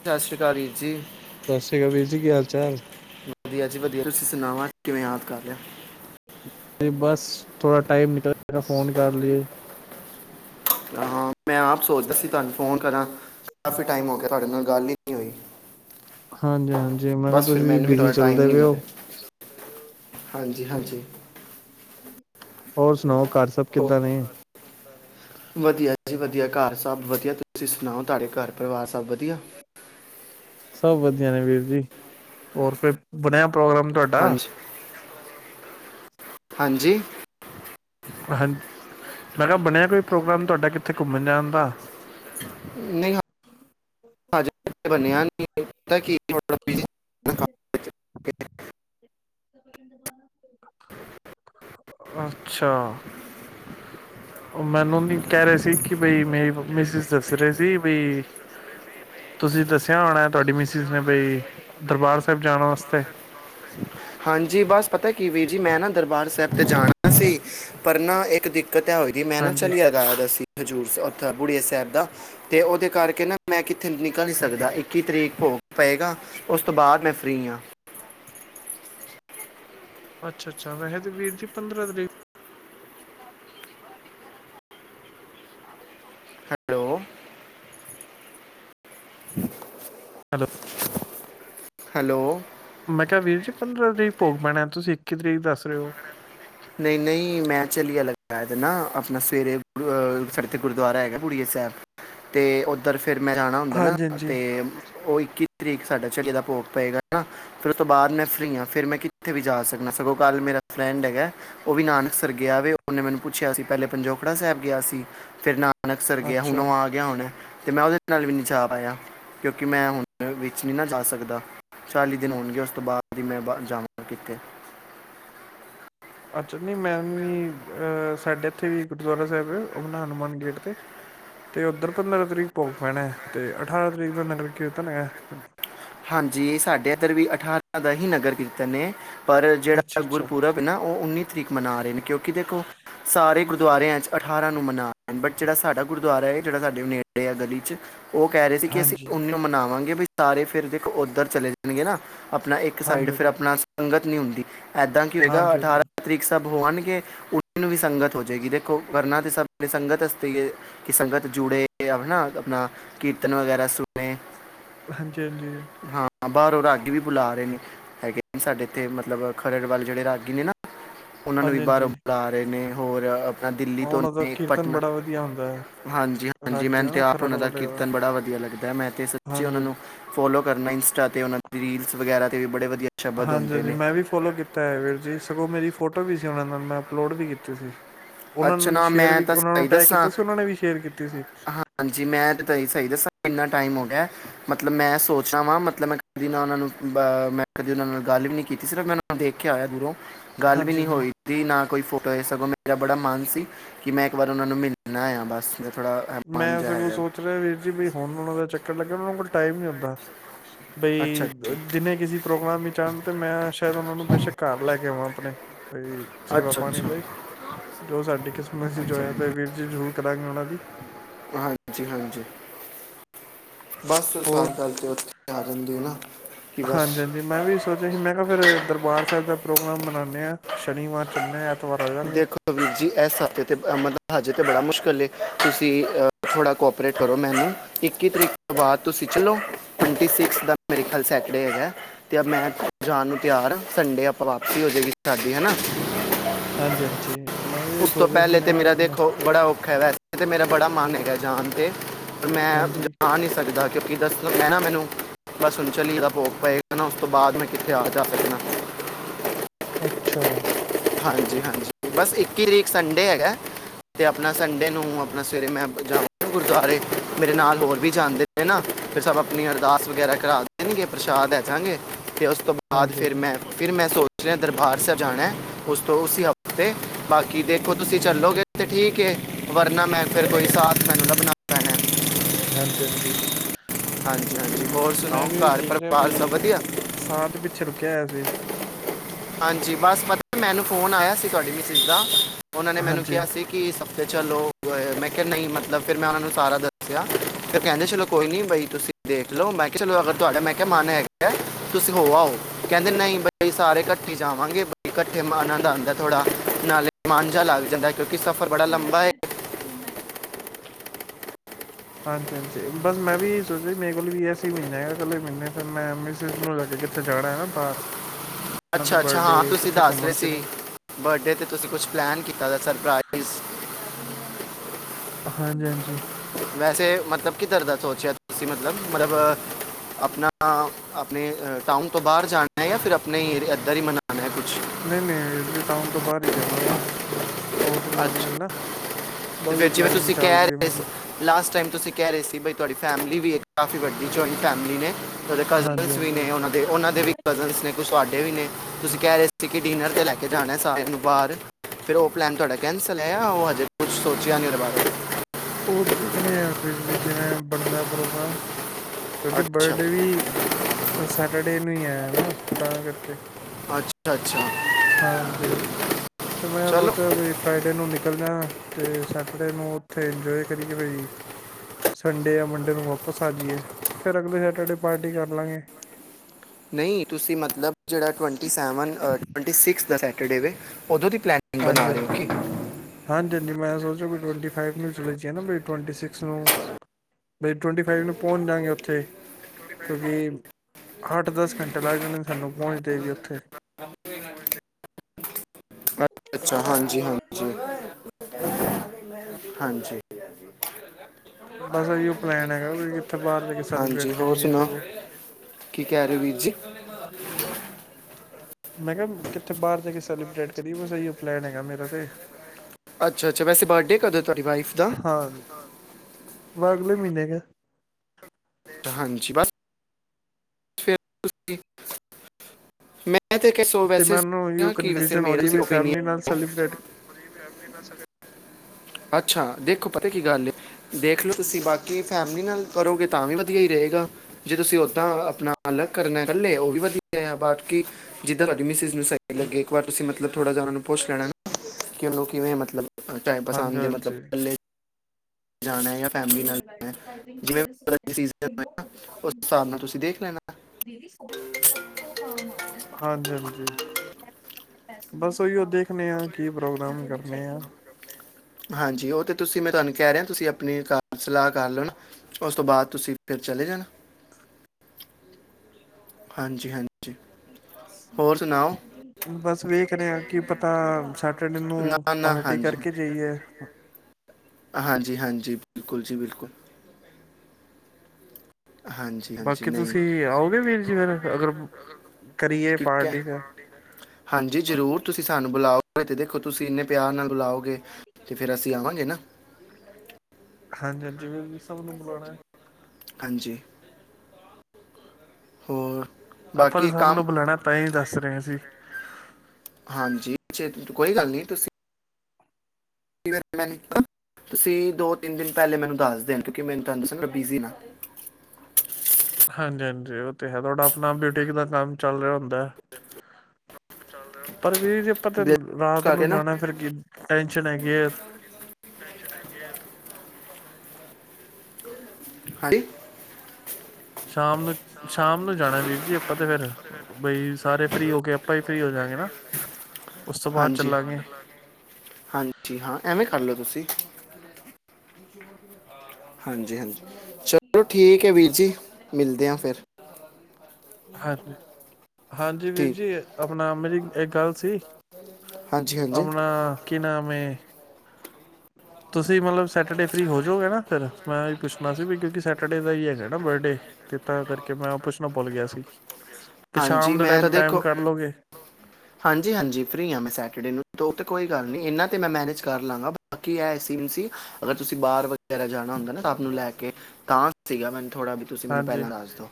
ਸਤਿ ਸ਼੍ਰੀ ਅਕਾਲ ਵੀਰ ਜੀ ਸਤਿ ਸ੍ਰੀ ਅਕਾਲ ਵੀਰ ਜੀ ਕੀ ਹਾਲ ਚਾਲ। ਵਧੀਆਂ ਜੀ ਵਧੀਆਂ ਤੁਸੀਂ ਸੁਣਾਵੋ ਅੱਜ ਕਿਵੇਂ ਯਾਦ ਕਰ ਲ਼ਿਆ। ਬਸ ਥੋੜਾਂ ਟਾਇਮ ਚਲੋ ਮੈਂ ਕਿਹਾ ਫ਼ੋਨ ਕਰ ਲੀਏ। [inaudible] ਹਾਂ ਮੈਂ ਆਪ ਸੋਚਦਾਂ ਸੀ। ਤੁਹਾਂਨੂੰ ਫ਼ੋਨ ਕਰਾਂ ਕਾਫ਼ੀ ਟਾਇਮ ਹੋ ਗਿਆਂ ਤੁਹਾਡੇ ਨਾਲ਼ ਗੱਲ਼ ਹੀ ਨੀਂ ਹੋਈ। ਹਾਂਜੀ ਹਾਂਜੀ। ਜੀ, ਮੈਂ ਨਾ, ਬਸ ਫਿਰ ਤੁਸੀਂ ਮੈਨੂੰ ਵੀ ਬਿਜੀ ਥੋੜਾ ਟਾਈਮ ਚੱਲਦੇ ਨਹੀਂ ਪਏ ਹੋ। ਮਿਲਿਆ ਹਾਂਜੀ, ਹਾਂਜੀ। ਹੋਰ, ਸੁਣਾਓ? ਘਰ ਸਭ ਹੋ ਕਿੱਦਾਂ ਨੇ? ਵਧੀਆ ਜੀ ਵਧੀਆ, ਘਰ ਸਭ ਵਧੀਆਂ, ਤੁਸੀਂ ਸੁਣਾਓ, ਤੁਹਾਡੇ ਘਰ ਪਰਿਵਾਰ ਸਭ ਵਧੀਆਂ। ਸਭ ਵਧੀਆਂ ਨੇਂ, ਵੀਰ ਜੀ। ਹੋਰ ਫਿਰ ਬਣਿਆ ਪ੍ਰੋਗਰਾਮ ਤੁਹਾਡਾ। ਹਾਂਜੀਅ। ਹਾਂਜੀ, ਮੈਂ, ਕਿਹਾਂ ਬਣਿਆਂ ਕੋਈ ਪ੍ਰੋਗਰਾਮ ਤੁਹਾਡਾ ਕਿੱਥੇ ਘੁੰਮਣ ਜਾਂਣ ਦਾ। ਨਹੀਂ ਹਲੇ ਹਜੇ ਬੱਣਿਆ ਨੀਂ ਪਤਾ ਕੀ ਥੋੜਾਂ ਬਿਜੀ ਕੰਮ ਚ। ਅੱਛਾ। ਉਹ ਮੈਂਨੂੰ ਵੀ ਕਹਿ ਰਹੇਂ ਸੀ, ਕਿ ਬਈ ਮੇਰੀ ਮਿਸਿਜ਼ ਦੱਸ ਰਹੇਂ ਸੀ, ਬਈ ਤੁਸੀਂ ਦੱਸਿਆਂ ਹੋਣਾਂ ਤੁਹਾਡੀ ਮਿਸਿਜ਼ ਨੇਂ ਬਈ ਦਰਬਾਰ ਸਾਹਿਬ ਜਾਂਣ ਵਾਸਤੇ। ਹਾਂਜੀ, ਬਸ ਪਤਾ ਕੀ ਵੀਰ ਜੀ, ਮੈਂ ਨਾ ਦਰਬਾਰ ਸਾਹਿਬ ਤਾਂ ਜਾਣਾਂ ਸੀ। ਪਰ ਨਾ ਇੱਕ ਦਿਕਤ ਕਤਿਆ ਹੋਈ ਦੀ ਮੈ ਨਾ ਹਾਂਜੀ। ਚਲਿਆ ਜਾਂ ਰਿਹਾਂ ਸੀ। ਹਜ਼ੂਰ ਸਾਹਿਬ ਉਥੇ ਬੁੜੀਆਂ ਸਾਹਿਬ ਦਾ ਤੇ, ਉਹਦੇ ਕਰਕੇ ਨਾਂ ਮੈਂ ਕਿੱਥੇ ਨਿਕਲ਼ ਨੀਂ ਸਕਦਾਂ ਇੱਕੀ ਤਰੀਕ ਭੋਗ ਪਏਗਾ ਉਸ ਤੋਂ ਬਾਅਦ ਮੈਂ ਫ੍ਰੀ ਹਾਂ। ਅੱਛਾ, ਅੱਛਾ ਵੈਸੇ ਤੇ ਵੀਰ ਜੀ। ਪੰਦਰਾਂ ਤਰੀਕ। ਹੈਲੋ। ਹੈਲੋ। ਹੈਲੋ ਮੈਂ, ਕਿਹਾਂ ਵੀਰ ਜੀ। ਪੰਦਰਾਂ ਤਰੀਕ ਭੋਗ ਪੈਣਾਂ, ਤੁਸੀਂ ਇੱਕੀ ਤਰੀਕ ਦੱਸ ਰਹੇਂ ਹੋ। ਨਹੀਂ, ਨਹੀਂ, ਮੈਂ ਝੱਲਆ ਲੱਗਾ ਨਾ ਆਪਣਾ ਸਵੇਰੇ ਸਾਡੇ ਇੱਥੇ ਗੁਰਦੁਆਰਾ ਹੈਗਾ ਗੁੜੀਆਂ ਸਾਹਿਬ ਤੇ ਉੱਧਰ ਫ ਫਿਰ ਮੈਂ ਜਾਣਾ ਹੁੰਦਾ ਨਾ, ਹਾਂਜੀ ਹਾਂਜੀ ਅਤੇ ਉਹ, ਇੱਕੀ ਤਰੀਕ ਸਾਡਾ ਝੜੇ ਦਾ ਭੋਗਪਏਗਾ ਹੈ ਨਾ, ਫਿਰ ਉਸ ਤੋਂ ਬਾਅਦ ਮੈਂ ਫ੍ਰੀ ਹਾਂ, ਫਿਰ ਮੈਂ ਕਿੱਥੇ ਵੀ ਜਾ ਸਕਦਾ ਸਗੋਂ ਕੱਲ੍ਹ ਮੇਰਾ ਫਰੈਂਡ ਹੈਗਾ ਉਹ ਵੀ ਨਾਨਕਸਰ ਗਿਆ ਵੇ, ਉਹਨੇ ਮੈਨੂੰ ਪੁੱਛਿਆ ਸੀ ਪਹਿਲੇ ਪੰਜੋਕੜਾ ਸਾਹਿਬ ਗਿਆ ਸੀ‌। ਫਿਰ ਨਾਨਕਸਰ ਗਿਆ ਹੁਣ, ਉਹ ਅੱਛਾ ਆ ਗਿਆ ਹੋਣਾ। ਅਤੇ ਮੈਂ, ਉਹਦੇ ਨਾਲ ਵੀ ਨੀ ਜਾ ਆਾਇਆ ਕਿਉਂਕਿ, ਮੈਂ ਹੁਣ ਵਿੱਚ ਨਹੀਂ ਨਾ ਜਾ ਸਕਦਾ, ਚਾਲੀ ਦਿਨ ਹੋਣਗੇ ਉਸ ਤੋਂ ਬਾਅਦ ਹੀ ਮੈਂ ਜਾਵਾਂ ਕਿਤੇ ਅੱਛਾ। ਨੀ, ਮੈਂ, ਵੀ ਵੀ ਅਹ ਸਾਡੇ ਇੱਥੇ ਵੀ ਗੁਰਦੁਆਰਾ ਸਾਹਿਬ ਹਨੂੰਮਾਨ ਗੇਟ ਤੇ, ਤੇ ਓਧਰ ਪੰਦਰਾਂ ਤਰੀਕ ਭੋਗ ਪੈਣਾ ਤੇ, ਅਠਾਰਾਂ ਤਰੀਕ ਦਾ ਨਗਰਕਿਰਤਨ ਹੈਗਾ। ਹਾਂਜੀ, ਸਾਡੇ ਇੱਧਰ ਵੀ ਅਠਾਰਾਂ ਦਾ ਹੀ, ਨਗਰ ਕੀਰਤਨ ਏ। ਪਰ ਜਿਹੜਾ ਅੱਛਾ ਅੱਛਾ ਗੁਰਪੁਰਬ ਏ ਨਾ ਉਹ, ਉੱਨੀ ਤਰੀਕ ਮਨਾ ਰਹੇ ਨੇ, ਕਿਉਂਕਿ ਦੇਖੋ ਸਾਰੇ ਗੁਰਦੁਆਰਿਆਂ ' ਅੱ ਅਠਾਰਾਂ ਨੂੰ ਮਨਾ ਲਣ, ਬਟ ਜਿਹੜਾ ਸਾਡਾ ਗੁਰਦੁਆਰਾ ਹੈ, ਜਿਹੜ ਸਾਡੇ ਨੇੜੇ ਆ ਗਲੀ 'ਚ ਉਹ ਕਹਿ ਰਹੇ ਸੀ, ਕਿ ਅਸੀਂ ਹਾਂਜੀ ਉਹਨਿਓ ਮਨਾਵਾਂਗੇ। ਸਾਰੇ ਫਿਰਦੇ ਉੱਧਰ ਚਲੇ ਜਾਣਗੇ। ਨਾ ਆਪਣਾ ਇੱਕ ਹਾਂਜੀ ਸਾਈਡ, ਫਿਰ ਹਾਂਜੀ ਆਪਣਾ ਸੰਗਤ ਨਹੀਂ ਹੁੰਦੀ‌। ਏਦਾਂ ਕੀ ਹੋਏਗਾ ਹਾਂਜੀ ਅਠਾਰਾਂ ਹਾਂਜੀ ਤਰੀਕ ਸਭ ਹੋਣਗੇ, ਉੱਨੀ ਨੂੰ ਸੰਗਤ ਹੋ ਜਾਏਗੀ ਦੇਖੋ ਕਰਨਾ ਤਾਂ, ਸਭ ਸੰਗਤ ਸਤੇ ਕਿ ਸੰਗਤ ਜੁੜੇ ਹਨ ਨਾ ਆਪਣਾ ਕੀਰਤਨ ਵਗੈਰਾ ਸੁਣੇ ਹਾਂਜੀ, ਹਾਂਜੀ। ਹਾਂ, ਬਾਹਰੋਂ ਰਾਗੀ ਵੀ ਬੁਲਾ ਰਹੇ ਨੇ, ਹੈਗੇ ਸਾਡੇ ਇੱਥੇ ਮਤਲਬ ਖਰੜ ਵੱਲ ਜਿਹੜੇ ਰਾਗੀ ਨੇ, ਨਾ ਉਹਨਾਂ ਨੂੰ ਵੀ ਹਾਂਜੀ ਬਾਹਰੋਂ ਹਾਂਜੀ ਬਲਾ ਰਹੇ ਨੇ ਹੋਰ ਦਿੱਲੀ ਤੋਂ ਉਹਨਾਂ ਦਾ ਨੇ ਕੀਰਤਨ ਪਟਨਾ ਬੜਾ ਵਧੀਆ ਹੁੰਦਾ ਹੈ ਹਾਂਜੀ ਹਜੀ ਰਾਗੀ ਮੈਨ ਦਾ ਤੇ ਨਾ ਆਪ ਖਰੜ ਉਹਨਾਂ ਦਾ ਵਾਲੇ ਕੀਰਤਨ ਬੜਾ ਵਧੀਆ ਲੱਗਦਾ ਹੈ ਮੈਂ ਤੇ ਸੱਚੀ ਹਾਂਜੀ ਉਹਨਾਂ ਨੂੰ ਹਾਂਜੀ ਫੋਲੋ ਕਰਨਾ ਇੰਸਟਾ ਤੇ ਉਹਨਾਂ ਦੀ ਰੀਲਸ ਵਗੈਰਾ ਤੇ ਵੀ ਬੜੇ ਵਧਆ ਹਾਂਜੀ ਹਾਂਜੀ ਮੈਂ ਵੀ ਫੋਲੋ ਕੀਤਾ ਹੈ ਵੀਰ ਜੀ ਸਗੋਂ ਮੇਰੀ ਫੋਟੋ ਵੀ ਸੀ ਉਹਨਾਂ ਨਾਲ ਮੈਂ ਅਪਲੋਡ ਵੀ ਕੀਤੀ ਸੀ ਉਹਨਾਂ ਅੱਛਾ ਨਾਲ ਨਾ ਸ਼ੇਅਰ ਮੈਂ ਵੀ ਤਾਂ ਉਹਨਾਂ ਨੂੰ ਸਹੀ ਟੈਗ ਦੱਸਾਂ ਕੀਤਾ ਸੀ ਉਹਨਾਂ ਨੇ ਵੀ ਸ਼ੇਅਰ ਕੀਤੀ ਸੀ ਹਾਂਜੀ ਮੈਂ ਤੇ ਤੁਹੀ ਸਹੀ ਦੱਸਾਂ ਇੰਨਾ ਟਾਈਮ ਹੋ ਗਿਆ ਮਤਲਬ ਮੈਂ ਸੋਚਦਾ ਵਾਂ ਮਤਲਬ ਮੈਂ ਕਦੀ ਨਾ ਉਹਨਾਂ ਨੂੰ ਮੈਂ ਕਦੀ ਉਹਨਾਂ ਨਾਲ ਗੱਲ ਵੀ ਨਹੀਂ ਕੀਤੀ ਸਿਰਫ ਮੈਂ ਉਹਨਾਂ ਨੂੰ ਦੇਖ ਕੇ ਆਇਆ ਦੂਰੋਂ ਗੱਲ ਵੀ ਹਾਂਜੀ ਨਹੀਂ ਹਾਂਜੀ ਹੋਈਦੀ ਨਾ ਕੋਈ ਫੌਨ [unintelligible] ਬੜਾ ਮਾਣ ਸੀ ਕਿ ਮੈਂ ਇੱਕ ਵਾਰ ਉਹਨਾਂ ਨੂੰ ਮਿਲਣਾ ਆਆ ਬਸ ਥੋੜਾ ਅ, ਮਨ ਮੈਂ ਜਿਹਾ ਸਗੋਂ ਹੈਗਾ ਸੋਚ ਰਿਹਾ ਵੀਰ ਜੀ ਬਈ ਹੁਣ ਉਹਨਾਂ ਦਾ ਚੱਕਰ ਲੱਗਿਆ ਉਹਨਾਂ ਕੋਲ ਟਾਈਮ ਨੀ ਆਉਂਦਾ ਅੱਛਾ ਬਈ ਅੱਛਾ ਦਿਨੇ ਕਿਸੇ ਪ੍ਰੋਗਰਾਮ ਵਿੱਚ ਆਉਣ ਤੇ ਮੈਂ ਸ਼ਾਇਦ ਉਹਨਾਂ ਨੂੰ ਬੇਸ਼ੱਕ ਘਰ ਲੈ ਕੇ ਆਵਾਂ [unintelligible] ਬਾਈ ਸੇਵਾ ਅੱਛਾ ਪਾਣੀ ਲਈ ਅੱਛਾ ਜੋ ਸਾਡੀ ਕਿਸਮਤ ਸੀ ਜੋਇਆ ਤੇ ਅੱਛਾ ਵੀਰ ਜੀ ਜ਼ਰੂਰ ਕਰਾਂਗੇ ਉਹਨਾਂ ਦੀ ਹਾਂਜੀ ਹਾਂਜੀ ਬਸ [unintelligible] ਉੱਥੇ ਹੋਰ ਆ ਜਾਂਦੇ ਨਾ ਕਿ ਬਸ ਹਾਂਜੀ ਹਾਂਜੀ ਮੈਂ ਵੀ ਸੋਚਿਆ ਸੀ ਮੈਂ ਕਿਹਾ ਫੇਿਰ ਦਰਬਾਰ ਸਾਹਿਬ ਦਾ ਪ੍ਰੋਗਰਾਮ ਬਨਾਦੇ ਆ ਸ਼ਨੀਵਾਰ ਚੱਲੇਾਂ ਦੇਖੋ ਵੀਰ ਜੀ ਇਸ ਹਫ਼ਤੇ ਤੇਮ ਜੇ ਤਾਂ ਬੜਾ ਮੁਸ਼ਕਿਲ ਏ ਤੁਸੀਂ ਥੋੜ੍ਹਾ ਕੋਪਰੇਟ ਕਰੋ ਮੈਨੂੰ ਇੱਕੀ ਤਰੀਕ ਤੋਂ ਬਾਅਦ ਤੁਸੀਂ ਚਲੋ ਟਵੰਟੀ ਸਿਕਸ ਦਾ ਮੇਰੇ ਖਿਆਲ ਸੈਟਰਡੇ ਹੈਗਾ ਅਤੇ ਮੈਂ ਜਾਣ ਨੂੰ ਤਿਆਰ ਹਾਂ ਸੰਡੇ ਆਪਾਂ ਵਾਪਸੀ ਹੋ ਜਾਵੇਗੀ ਸ਼ਾਦੀ ਹੈ ਨਾ ਹਾਂਜੀ ਹਾਂਜੀ ਮੈਂ ਵੀ ਉਸ ਤੋਂ ਸੋਚ ਰਿਹਾ ਸੀ ਪਹਿਲੇ ਮੈਂ ਤੇ ਮੇਰਾ ਦੇਖੋ ਬੜਾ ਔਖਾ ਵੈ ਤੇ ਮੇਰਾ ਬੜਾ ਮਨ ਹੈਗਾ ਜਾਨ ਤੇ ਪਰ ਮੈਂ ਹਾਂਜੀ ਜਾ ਨਹੀਂ ਸਕਦਾ ਕਿਉਂਕਿ ਦੱਸ ਪਹਿ ਨਾ ਮੈਨੂੰ ਬਸ ਉਚਲੀ ਦਾ ਭੋਗ ਪਏਗਾ ਨਾ ਉਸ ਤੋਂ ਬਾਅਦ ਮੈਂ ਕਿੱਥੇ ਆ ਜਾ ਸਕਦਾ ਅੱਛਾ ਹਾਂਜੀ ਹਾਂਜੀ ਬਸ ਇੱਕ ਹੀ ਤਰੀਕ ਸੰਡੇ ਹੈਗਾ ਅਤੇ ਆਪਣਾ ਸੰਡੇ ਨੂੰ ਆਪਣਾ ਸਵੇਰੇ ਮੈਂ ਜਾਵਾਂ ਗੁਰਦੁਆਰੇ ਮੇਰੇ ਨਾਲ ਹੋਰ ਵੀ ਜਾਂਦੇ ਨਾ ਫਿਰ ਸਭ ਆਪਣੀ ਅਰਦਾਸ ਵਗੈਰਾ ਕਰਾ ਦੇਣਗੇ ਪ੍ਰਸ਼ਾਦ ਆ ਜਾਂਗੇ ਫਿਰ ਉਸ ਤੋਂ ਬਾਅਦ ਹਾਂਜੀ ਫਿਰ ਹਾਂਜੀ ਮੈਂ ਫਿਰ ਮੈਂ ਸੋਚ ਉਸ ਨੇ ਦਰਬਾਰ ਸਾਹਿਬ ਜਾਣਾ ਹੈ ਉਸ ਤੋਂ ਉਸ ਹਫ਼ਤੇ ਬਾਕੀ ਦੇਖੋ ਤੁਸੀਂ ਚੱਲੋਗੇ ਤਾਂ ਠੀਕ ਹੈ ਵਰਨਾ ਮੈਂ ਫਿਰ ਕੋਈ ਸਾਥ ਮੈਨੂੰ ਲੱਭਣਾ ਪੈਣਾ ਹਾਂਜੀ ਹਾਂਜੀ ਹਾਂਜੀ ਹਾਂਜੀ ਹੋਰ ਮੈਂ ਸੁਣਾਓ ਵੀ ਘਰ ਦੇਖ ਰਿਹਾ ਪਰਿਵਾਰ ਸਭ ਬਈ ਵਧੀਆ ਸਾਹ ਤੇ ਪਿੱਛੇ ਰੁਕਿਆ ਹੋਇਆ ਸੀ ਹਾਂਜੀ ਬਸ ਪਤਾ ਮੈਨੂੰ ਫੋਨ ਆਇਆ ਸੀ ਤੁਹਾਡੀ ਮਸਜ ਦਾ ਉਹਨਾਂ ਨੇ ਮੈਨੂੰ ਹਾਂਜੀ ਕਿਹਾ ਸੀ ਕਿ ਸਫ਼ਤੇ ਚ ਨਹੀਂ ਮਤਲਬ ਫਿਰ ਮੈਂ ਉਹਨਾਂ ਨੂੰ ਸਾਰਾ ਦੱਸਿਆ ਫ ਕਹਿੰਦੇ ਚਲੋ ਕੋਈ ਨਹੀਂ ਬਈ ਤੁਸੀਂ ਦੇਖ ਲਓ ਮੈਂ ਕਿਹਾ ਚਲੋ ਅਗਰ ਤੁਹਾਡਾ ਮੈਂ ਕਿਹਾ ਮਨ ਹੈਗਾ ਤੁਸੀਂ ਹੋ ਆਓ ਕਹਿੰਦੇ ਨਹੀਂ ਬਈ ਸਾਰੇ ਜਾਵਾਂਗੇ ਬ ਇਕੱਠੇ ਮ ਦਾ ਆਉਂਦਾ ਥੋੜਾ ਨਾਲੇ ਮਨਝਹਾ ਲੱਗ ਜਾਂਦਾ ਕਿਉਂਕਿ ਸਫ਼ਰ ਬੜਾ ਲੰਬਾ ਹੈ ਹਾਂਜੀ ਹਾਂਜੀ ਬਸ ਮੈਂ ਵੀ ਸੋਚਿਆ ਮੇਰੇ ਕੋਲ ਵੀ ਅਸੀ ਮਹੀਨੇ ਹੈ ਇਕੱਲ ਮਹੀਨੇ ਫਿਰ ਮੈਂ ਨੂੰ ਲੈ ਕੇ ਕਿੱਥੇ ਜਾਣਾ ਹੈ ਨਾ ਬਾਹਰ ਉਹਨਾਂ ਦਾ ਅੱਛਾ ਅੱਛਾ ਹਾਂ ਬਰਡੇ ਤੁਸੀਂ ਕਿੱਥੇ ਦੱਸ ਰਹੇ ਘੁੰਮਣ ਸੀ ਫਿਰਨ ਬਰਡੇ ਤੇ ਤੁਸੀਂ ਕੁਛ ਪਲੈਨ [unintelligible] ਸਰਪਾਈਜ਼ ਹਾਂਜੀ ਹਾਂਜੀ ਵੈਸੇ ਮਤਲਬ ਕਿੱਧਰ ਦਾ ਸੋਚਿਆ ਤੁਸੀਂ ਮਤਲਬ ਮਤਲਬ ਆਪਣਾ ਆਪਣੇ ਟਾਊਨ ਤੋਂ ਬਾਹਰ ਜਾਣਾ ਜਾਂ ਫਿਰ ਆਪਣੇ ਏਰੀ ਇੱਧਰ ਹੀ ਮਨਾਉਣਾ ਹੈ ਕੁਛ ਨਹੀਂ ਨਹੀਂ ਵੀਰ ਜੇ ਟਾਊਨ ਤੋਂ ਬਾਹਰ ਹੀ ਜਾਵਾਂਗਾ ਦੋ ਤਿੰਨ ਅੱਛ ਦਿਨ ਲਈ ਨਾ ਬਸ ਫਿਰ ਉਹ ਜਿਵੇਂ ਪਲੈਨਿੰਗ ਤੁਸੀਂ ਚੱਲ ਕਹਿ ਰਹੀ ਹੈ ਰਹੇ ਮੇਰੀ ਲਾਸਟ ਟਾਈਮ ਤੁਸੀਂ ਕਹਿ ਰਹੇ ਸੀ ਬਈ ਤੁਹਾਡੀ ਫੈਮਿਲੀ ਵੀ ਕਾਫੀ ਵੱਡੀ ਚੋਨੀ ਫੈਮਿਲੀ ਨੇ ਉਹ ਦੇ ਹਾਂਜੀ ਕਜ਼ਨ ਵੀ ਹਾਂਜੀ ਨੇ ਉਹਨਾਂ ਦੇ ਉਹਨਾਂ ਦੇ ਵੀ ਕਜ਼ਨ ਨੇ ਕੁਛ ਤੁਹਾਡੇ ਵੀ ਨੇ ਤੁਸੀਂ ਕਹਿ ਰਹੇ ਕਿ ਡਿਨਰ ਤੇ ਲੈ ਕੇ ਜਾਣਾ ਸਾਰ ਨੂੰ ਬਾਹਰ ਫੇਿਰ ਉਹ ਪਲੈਨ ਤੁਹਾਡਾ ਹਿੱਸਾ ਲੈ ਉਹ ਹਜੇ ਕੁਛ ਸੋਚਿਆ ਨੀ ਉਹਦੇ ਬਾਰੇ ਉਹ ਦੇਖਣੇ ਆ ਵੀਰ ਜੀ ਜਿਵੇਂ ਬਣਦਾ ਪ੍ਰੋਗਰਾਮ ਕਿਉਂਕਿ ਅੱਛਾ ਬਰਡੇ ਵੀ ਸੈਟਰਡੇ ਨੂੰ ਹੀ ਆਇਆ ਨਾ ਤਾਂ ਕਰਕੇ ਅੱਛਾ ਅੱਛਾ ਹਾਂਜੀ ਤੇ ਮੈਂ ਚਲੋ ਸੋਚਿਆ ਬ ਫਰਾਈਡੇ ਨੂੰ ਨਿਕਲ ਜਾ ਤੇ ਸੈਟਰਡੇ ਨੂੰ ਉਥੇ ਇੰਜੋਏ ਕਰੀਏ ਬਾਈ ਸੰਡੇ ਜਾਂ ਮੰਡੇ ਨੂੰ ਵਾਪਿਸ ਆ ਜਾਈਏ ਫਿਰ ਅਗਲੇ ਸੈਟਰਡੇ ਪਾਰਟੀ ਕਰ ਲਾਂਗੇ ਨਹੀਂ ਤੁਸੀਂ ਮਤਲਬ ਜਿਹੜਾ ਟਵੰ ਸੈਮਨ ਟਵੈਂਟੀ ਸਿਕਸ ਦਾ ਚੜੇ ਵ ਉਦੋਂ ਦੀ ਪਲੈਨਿੰਗ ਹਾਂਜੀ ਬਣਾ ਰਹੇ ਹੋ ਹਾਂਜੀ ਕਿ ਹਾਂਜੀ ਹਾਂਜੀ ਮੈਂ ਸੋਚ ਵੀ ਟਵੰਟੀ ਫਾਈਵ ਨੂੰ ਚਲੇ ਜਾਏ ਨਾ ਬਾਈ ਟਵੰਟੀ ਸਿਕਸ ਨੂੰ ਬਾਈ ਟਵੰਟੀ ਫਾਈਵ ਨੂੰ ਪਹੁੰਚ ਜਾਗੇ ਉੱਥੇ ਕਿਉਂਕਿ ਅੱਠ ਦਸ ਘੰਟੇ ਲੱਗ ਜਾਣੇ ਸਾਨੂੰ ਪਹੁੰਚਦੇ ਵੀ ਉੱਥੇ ਅੱਛਾ ਹਾਂਜੀ ਹਾਂਜੀ ਹਾਂ ਹਾਂਜੀ ਬਸ ਇ ਪਲੈਨ ਹੈਗਾ ਵੀ ਇੱਥੇ ਬਾਹਰ ਜਾ ਕੇ ਸੈਲੀਬ੍ਰੇਟ ਹਾਂਜੀ ਹੋਰ ਕਰੀਏ ਸੁਣਾਓ ਸਗੋਂ ਕੀ ਕਹਿ ਰਹੇ ਹੋ ਵੀਰ [inaudible] ਮੈਂ ਕਿਹਾ ਕਿੱਥੇ ਬਾਹਰ ਜਾ ਕੇ ਸੈਲੀਬ੍ਰੇਟ ਕਰੀ ਬਸ ਇਹੀ ਪਲੈਨ ਹੈਗਾ ਮੇਰਾ ਤੇ ਅੱਛਾ ਅੱਛਾ ਵੈਸੇ ਬਰਡੇ ਕਰਦੋਂ ਤੁਹਾਡੀ ਵਾਈਫ ਦਾ ਹਾਂ ਵਾ ਅਗਲੇ ਮਹੀਨੇ ਕ ਹਾਂਜੀ ਬਸ ਖਸ਼ੀ ਤੇ ਮੈਨੂੰ ਨਾ ਕਿ ਵੈਸੇ ਕਨਫਿਊਜਨ ਹੋ ਮੇਰਾ ਰਹੀ ਹੈ ਤੁਸੀਂ ਬ ਫੈਮਲੀ ਨਾਲ ਸੈਲੀਬ੍ਰੇਟ ਅੱਛਾ ਦੇਖੋ ਪਤਾ ਕੀ ਗੱਲ ਹੈ ਦੇਖ ਲੋ ਤੁਸੀਂ ਬਾਤ ਕਿ ਫੈਮਲੀ ਨਾਲ ਕਰੋਗੇ ਤਾਂ ਵੀ ਵਧੀਆ ਹੀ ਰਹੇਗਾ ਜੇ ਤੁਸੀਂ ਉੱਦਾਂ ਆਪਣਾ ਅਲੱਗ ਕਰਨਾ ਇਕੱਲੇ ਉਹ ਵੀ ਵਧੀਆ ਆ ਬਟ ਕਿ ਜਿੱਦਾਂ ਤੁਹਾਡੀ ਮਿਸਿਸ ਨੂੰ ਸਹੀ ਲੱਗੀ ਇੱਕ ਵਾਰ ਤੁਸੀਂ ਮਤਲਬ ਥੋੜਾ ਜਾਹਾ ਉਹਨੂੰ ਪੁੱਛ ਲੈਣਾ ਨਾ ਕਿ ਉਹਨੂੰ ਕਿਵੇਂ ਮਤਲਬ ਚਾਹਏ ਪਸਾਉ ਦੇ ਮਤਲਬ ਇਕੱਲੇ ਜਾਣਾ ਹੈ ਜਾਂ ਘ ਫੈਮਿਲੀ ਨਾਲ ਘਰ ਬੈਠ ਜਾਣਾ ਕੇ ਟਾਈਪਿੰਗ ਹੈ ਤੋ ਜਿਵੇਂ ਕਰ ਹੀ ਸਕਦੀ ਸੀਜ਼ਨ ਹੋਏ ਉਸ ਆ, ਹਿਸਾਬ ਨਾਲ ਤੁਸੀਂ ਦੇਖ ਲੈਣਾ ਦੀਦੀ ਸਭ ਤੋਂ ਕਮ ਆ [unintelligible] ਹਾਂਜੀ ਹਾਂਜੀ, ਬਸ ਉਹੀਓ ਦੇਖਣੇ ਆ ਕੀ ਪ੍ਰੋਗਰਾਮ ਕਰਨੇ ਆ। ਹਾਂਜੀ, ਉਹ ਤੇ ਤੁਸੀਂ ਮੈਂ ਤੁਹਾਨੂੰ ਕਹਿ ਰਹੇ ਤੁਸੀਂ ਆਪਣੀ ਸਲਾਹ ਕਰ ਲੈਣ, ਉਸ ਤੋਂ ਬਾਅਦ ਤੁਸੀਂ ਫਿਰ ਚਲੇ ਜਾਣ। ਹਾਂਜੀ ਹਾਂਜੀ ਹੋਰ ਸੁਣਾਓ ਬਸ ਵੇਖ ਰਿਹਾ ਆ ਕੀ ਪਤਾ ਸੈਟਰਡੇ ਨੂੰ ਨਾ ਨਾ ਪਾਰਟੀ ਹਾਂਜੀ ਕਰਕੇ ਜਾਈਏ। ਹਾਂਜੀ ਹਾਂਜੀ ਬਿਲਕੁਲ ਜੀ ਬਿਲਕੁਲ। ਹਾਂਜੀ ਹਾਂਜੀ ਬਾਕੀ ਨਹੀਂ ਤੁਸੀਂ ਆਓਗੇ ਵੀਰ ਜੀ ਫਿਰ ਅਗਰ ਕਰੀਏ ਹੈ ਪਾਰਟੀ ਫਿਰ ਹਾਂਜੀ ਜ਼ਰੂਰ ਤੁਸੀਂ ਸਾਨੂੰ ਬੁਲਾਓ [unintelligible] ਦੇਖੋ ਤੁਸੀਂ ਇੰਨੇ ਪਿਆਰ ਨਾਲ ਬੁਲਾਓਗੇ ਤੇ ਫੇਰ ਅਸੀਂ ਆਵਾਂਗੇ ਨਾ। ਹਾਂਜੀ ਹਾਂਜੀ ਵੀਰ ਜੀ, ਸਭ ਨੂੰ ਬੁਲਾਉਣਾ ਆ। ਹਾਂਜੀ ਹੋਰ ਆਪਾਂ ਬਾਕੀ ਤਾਂ ਇਹ ਸਭ ਕੰਮ ਨੂੰ ਬੁਲਾਣਾ, ਤਾਂ ਹੀ ਦੱਸ ਰਹੇ ਸੀ। ਅੱਛੇ ਕੋਈ ਗੱਲ ਨਹੀਂ, ਤੁਸੀਂ ਮੈਂ ਤੁਸੀਂ ਦੋ ਤਿੰਨ ਦਿਨ ਪਹਿਲੇ ਮੈਨੂੰ ਦੱਸਦੇ ਹੋ, ਕਿਉਂਕਿ ਮੈਨੂੰ ਰੰਗ ਸੰਗ ਬੀਜੀ ਨਾ। ਹਾਂਜੀ ਹਾਂਜੀ ਉਹ ਤੇ ਹੈ, ਤੁਹਾਡਾ ਆਪਣਾ ਐਡੀਟਿੰਗ ਦਾ ਕੰਮ ਚੱਲ ਰਿਹਾ ਹੁੰਦਾ। ਪਰ ਵੀਰ ਜੇ ਆਪਾਂ ਬਿਲ- ਰਾਤ ਨੂੰ ਕਰਕੇ ਨਾ ਜਾਣਾ, ਫਿਰ ਕੀ ਟੈਨਸ਼ਨ ਹੈਗੀ ਆ। ਹਾਂਜੀ ਸ਼ਾਮ ਨੂੰ ਸ਼ਾਮ ਨੂੰ ਜਾਣਾ ਵੀਰ ਜੀ ਆਪਾਂ ਤੇ ਫੇਰ, ਬਈ ਸਾਰੇ ਫ੍ਰੀ ਹੋ ਕੇ ਆਪਾਂ ਹੀ ਫ੍ਰੀ ਹੋ ਜਾਗੇ ਨਾ। ਉਸ ਤੋਂ ਬਾਅਦ ਹਾਂਜੀ ਚੱਲਾਂਗੇ ਹਾਂਜੀ ਹਾਂ, ਐਵੇਂ ਕਰ ਲਓ ਤੁਸੀਂ [unintelligible] ਹਾਂਜੀ ਹਾਂਜੀ, ਚਲੋ ਠੀਕ ਹੈ ਵੀਰ ਜੀ ਮਿਲਦੇ ਆ ਫਿਰ ਹਾਂਜੀ ਹਾਂਜੀ, ਵੀਰ ਠੀਕ ਜੀ ਆਪਣਾ ਮੇਰੀ ਇਕ ਗੱਲ ਸੀ ਹਾਂਜੀ ਹਾਂਜੀ ਆਪਣਾ ਕੀ ਨਾਮ ਏ ਤੁਸੀਂ ਮਤਲਬ ਸੈਟਰਡੇ ਫ੍ਰਰੀ ਹੋ ਜੋਗੇ ਨਾ, ਫਿਰ ਮੈਂ ਪੁੱਛਣਾ ਸੀ ਵੀ ਕਿਉਂਕਿ ਸੈਟਰਡੇ ਦਾ ਹੀ ਹੈਗਾ ਨਾ ਬਰਡੇ ਤੇ ਤਾਂ ਕਰਕੇ ਮੈਂ ਪੁੱਛਣਾ ਭੁੱਲ ਗਿਆ ਸੀ। ਤੇ ਹਾਂਜੀ ਸ਼ਾਮ ਦਾ ਟਾਈਮ ਮੈਂ ਟਾਈਮ ਦੇਖੋ ਕੱਢ ਲੋਗੇ ਹਾਂਜੀ ਹਾਂਜੀ ਫਰੀ ਆ, ਮੈਂ ਸੈਟਰਡੇ ਨੂੰ ਉਹ ਤੇ ਕੋਈ ਗੱਲ ਨੀ, ਇਹਨਾਂ ਤੇ ਮੈਂ ਮੈਨੇਜ ਕਰ ਲਾਂਗਾ। ਬਾਕੀ ਇਹ ਸੀ ਨਹੀਂ ਸੀ, ਅਗਰ ਤੁਸੀਂ ਬਾਹਰ ਵਗੈਰਾ ਜਾਣਾ ਹੁੰਦਾ ਨਾ ਤਾਂ ਆਪ ਨੂੰ ਲੈ ਕੇ ਤਾਂ ਸੀਗਾ ਮੈਨੂੰ ਥੋੜ੍ਹਾ, ਵੀ ਤੁਸੀਂ ਮੈਨੂੰ ਹਾਂਜੀ ਪਹਿਲਾਂ ਦੱਸ ਦਿਓ।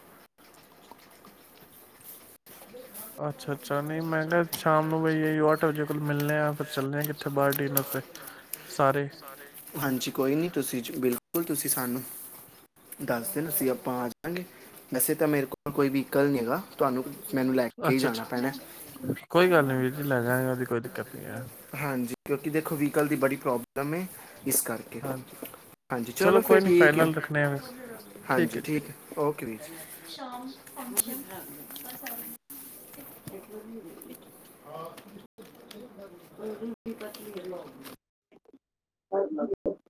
ਅੱਛਾ ਅੱਛਾ ਨਹੀਂ ਮੈਂ ਕਿਹਾ ਸ਼ਾਮ ਨੂੰ ਬਈ ਆਈਓ ਅੱਠ ਵਜੇ ਕੋਲ ਮਿਲਣੇ ਆ ਫਿਰ ਚੱਲਣੇ ਆ ਕਿੱਥੇ ਬਾਹਰ ਡਿਨਰ ਤੇ ਸਾਰੇ ਹਾਂਜੀ ਕੋਈ ਨਹੀਂ ਤੁਸੀਂ ਬਿਲਕੁਲ ਤੁਸੀਂ ਸਾਨੂੰ ਦੱਸ ਦਿ ਅਸੀਂ ਆਪਾਂ ਆ ਜਾਵਗੇ ਵੈਸੇ ਤਾਂ ਮੇਰੇ ਕੋਲ ਕੋਈ ਵੀਹੀਕਲ ਨਹੀਂ ਹੈਗਾ ਤੁਹਾਨੂੰ ਮੈਨੂੰ ਲੈ ਕੇ ਹੀ ਅੱਛਾ ਜਾਣਾ ਅੱਛਾ ਪੈਣਾ ਹੈ। ਕੋਈ ਗੱਲ ਨੀ ਵੀਰ ਅਸੀ ਲੈ ਜਾਣਗੇ ਉਹਦੀ ਕੋਈ ਦਿੱਕਤੀ ਹੈ ਹਾਂਜੀ ਕਿਉਂਕਿ ਦੇਖੋ ਵੀਕਲ ਦੀ ਬੜੀ ਪ੍ਰੋਬਲਮ ਹੈ ਇਸ ਕਰਕੇ ਹਾਂਜੀ ਹਾਂਜੀ ਚਲੋ ਫਿਰ ਕੋਈ ਨਹੀਂ ਠੀਕ ਹੈ ਫਾਈਨਲ ਰੱਖਣੇ ਆ ਬਸ ਹਾਂਜੀ ਠੀਕ ਹੈ ਓਕੇ ਵੀਰੀ [unintelligible] [unintelligible]